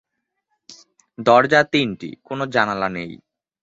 দরজা তিনটি, কোন জানালা নেই।